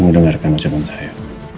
kamu dengarkan ucapan saya